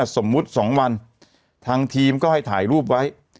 สมมุติ๒วันทางทีมก็ให้ถ่ายรูปไว้